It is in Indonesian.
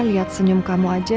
lihat senyum kamu aja